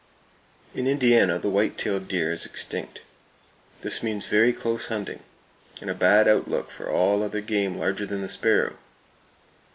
In Indiana the white tailed deer is extinct. This means very close hunting, and a bad outlook for all other game larger than the sparrow.